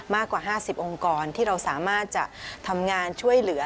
มากกว่า๕๐องค์กรที่เราสามารถจะทำงานช่วยเหลือ